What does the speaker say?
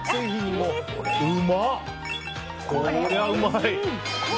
こりゃ、うまい！